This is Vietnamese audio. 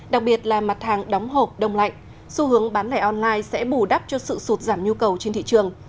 đặc biệt là mặt hàng đóng hộp đông lạnh xu hướng bán lẻ online sẽ bù đắp cho sự sụt giảm nhu cầu trên thị trường